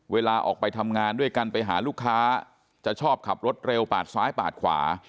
เวลาออกไปทำงานด้วยกันไปหาลูกค้าจะชอบขับรถเร็วปาดซ้ายปาดขวา